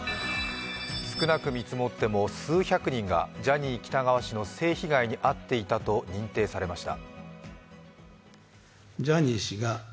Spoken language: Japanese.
少なく見積もっても数百人がジャニー喜多川氏の性被害に遭っていたと認定されました。